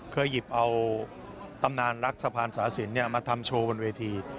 เคยหยิบเอาตำนานรักสะพานสาสินมาทำโชว์บนเวที